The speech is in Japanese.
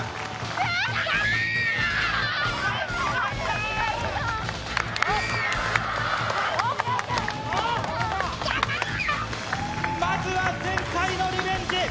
これだまずは前回のリベンジ